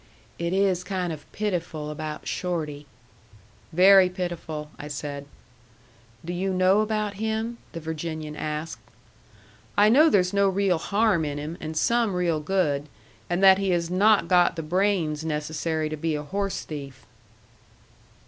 "It is kind of pitiful about Shorty." "Very pitiful," I said. "Do you know about him?" the Virginian asked. "I know there's no real harm in him, and some real good, and that he has not got the brains necessary to be a horse thief."